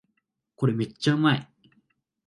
これめっちゃうまい